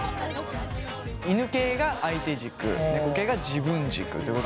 犬系が相手軸猫系が自分軸ってこと。